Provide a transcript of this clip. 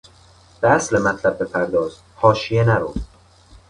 به اصل مطلب بپرداز، حاشیه نرو!